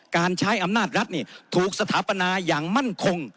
การใช้อำนาจรัฐถูกสถาปนาอย่างมั่นคง